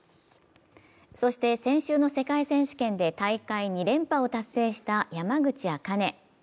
そして先週の世界選手権で大会２連覇を達成いた山口茜。